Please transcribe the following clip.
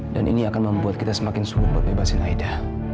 dan ini akan membuat kita semakin sungguh buat bebasin aida